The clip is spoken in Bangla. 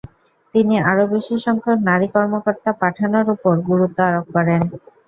তিনি আরও বেশি সংখ্যক নারী কর্মকর্তা পাঠানোর ওপর গুরুত্ব আরোপ করেন।